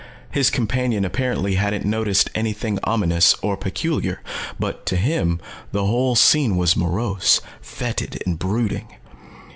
His companion apparently hadn't noticed anything ominous or peculiar. But to him, the whole scene was morose, fetid and brooding.